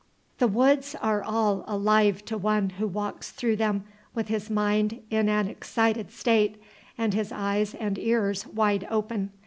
The woods are all alive to one who walks through them with his mind in an excited state, and his eyes and ears wide open.